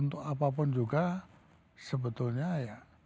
untuk apa pun juga sebetulnya ya